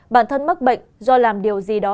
bản thân mắc bệnh do làm điều gì đó